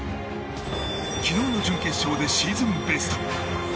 昨日の準決勝でシーズンベスト！